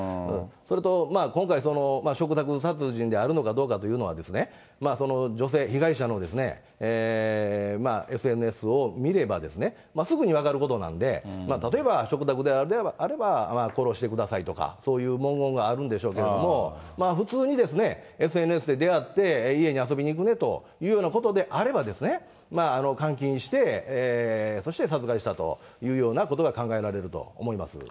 それと、今回、嘱託殺人であるのかどうかというのは、その女性、被害者のＳＮＳを見ればですね、すぐに分かることなんで、例えば嘱託であれば、殺してくださいとか、そういう文言があるんでしょうけれども、普通にＳＮＳで出会って、家に遊びに行くねということであれば、監禁して、そして殺害したというようなことが考えられると思います。